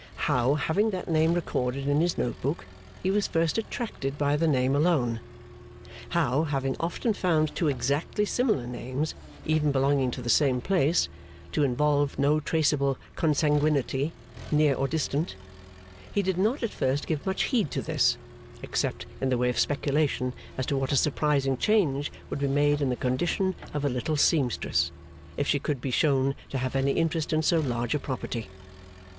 How, having that name recorded in his note book, he was first attracted by the name alone. How, having often found two exactly similar names, even belonging to the same place, to involve no traceable consanguinity, near or distant, he did not at first give much heed to this, except in the way of speculation as to what a surprising change would be made in the condition of a little seamstress, if she could be shown to have any interest in so large a property.